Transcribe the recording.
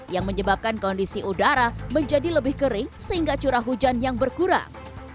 yang menyebabkan kondisi udara menjadi lebih kering sehingga curah hujan yang berkurang